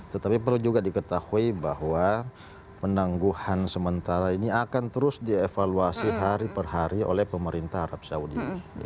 tetapi perlu juga diketahui bahwa penangguhan sementara ini akan terus dievaluasi hari per hari oleh pemerintah arab saudi